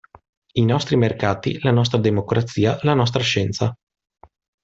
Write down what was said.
I nostri mercati, la nostra democrazia, la nostra scienza.